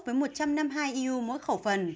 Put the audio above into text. với một trăm năm mươi hai eu mỗi khẩu phần